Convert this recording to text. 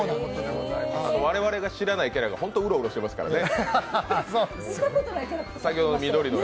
我々が知らないキャラが本当にうろうろしてますからね。